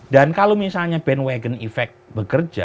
dan kalau misalnya bandwagon efek bekerja